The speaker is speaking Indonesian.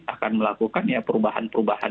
akan melakukan perubahan perubahan